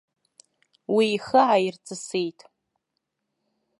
Уи ихы ааирҵысит.